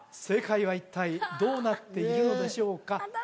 正解は一体どうなっているのでしょうか？